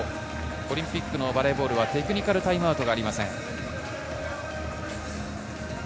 オリンピックのバレーボールはテクニカルタイムアウトがありません。